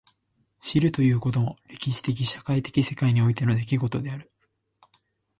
知るということも歴史的社会的世界においての出来事である。